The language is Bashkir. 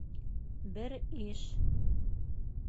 Бер иш.